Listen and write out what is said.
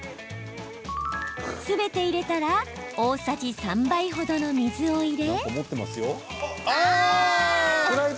すべて入れたら大さじ３杯ほどの水を入れ。